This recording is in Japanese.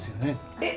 えっ！